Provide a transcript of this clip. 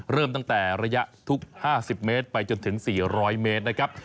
เริ่มตั้งแต่ระยะทุก๕๐เมตรไปจนถึง๔๐๐เมตรนะครับ